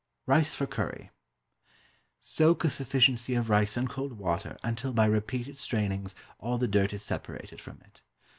Rice for Curry Soak a sufficiency of rice in cold water until by repeated strainings all the dirt is separated from it.